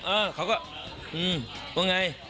เออเขาก็ว่าไง